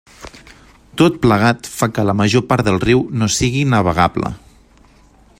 Tot plegat fa que la major part del riu no sigui navegable.